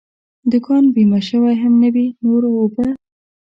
دوکان بیمه شوی هم نه وي، نور اوبه.